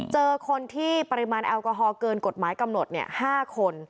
เจอคนที่ปริมาณแอลกอฮอลเกินกฎหมายกำหนด๕คน